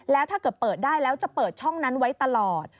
แล้วถ้าเกิดเปิดได้แล้วจะเปิดช่องนั้นไว้ตลอด